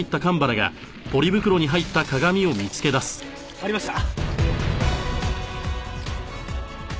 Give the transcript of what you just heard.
ありました！